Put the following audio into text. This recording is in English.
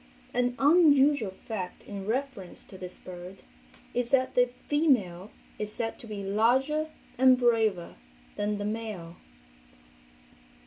An unusual fact in reference to this bird is that the female is said to be larger and braver than the male.